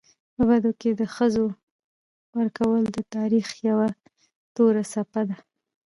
په بدو کي د ښځو ورکول د تاریخ یوه توره څپه ده.